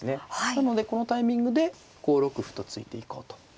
なのでこのタイミングで５六歩と突いていこうと。